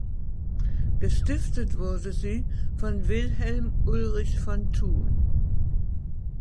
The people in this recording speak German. Gestiftet wurde sie von Wilhelm Ulrich von Thun.